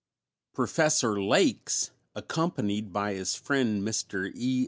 Professor Lakes, accompanied by his friend Mr. E.